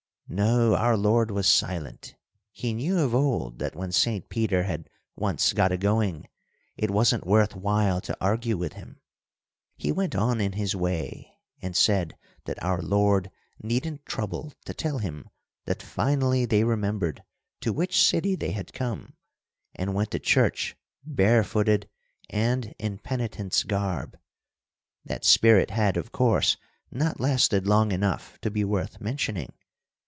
"No, our Lord was silent. He knew of old that when Saint Peter had once got a going, it wasn't worth while to argue with him. He went on in his way, and said that our Lord needn't trouble to tell him that finally they remembered to which city they had come, and went to church barefooted and in penitents' garb. That spirit had, of course, not lasted long enough to be worth mentioning.